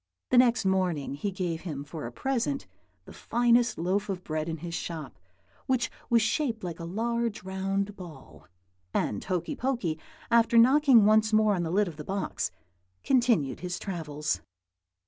The next morning he gave him for a present the finest loaf of bread in his shop, which was shaped like a large round ball; and Hokey Pokey, after knocking once more on the lid of the box, continued his travels.